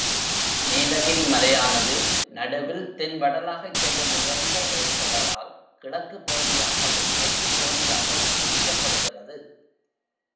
நீலகிரி மலையானது நடுவில் தென்வடலாகச் செல்லும் உயர்ந்த ஒரு தொடரால் கிழக்குப் பகுதியாகவும் மேற்குப் பகுதியாகவும் பிரிக்கப்படுகிறது.